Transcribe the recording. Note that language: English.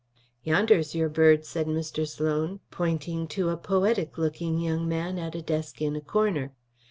"Yonder's your bird," said Mr. Sloan, pointing to a poetic looking young man at a desk in a corner.